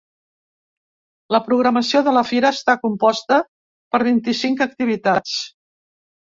La programació de la fira està composta per vint-i-cinc activitats.